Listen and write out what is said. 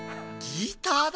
ギターだ。